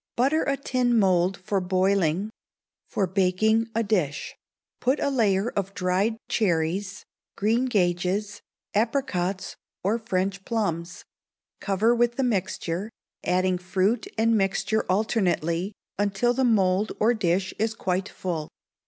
Butter a tin mould for boiling for baking, a dish. Put a layer of dried cherries, greengages, apricots, or French plums; cover with the mixture, adding fruit and mixture alternately, until the mould or dish is quite full.